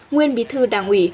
nguyên bí thư đảng ủy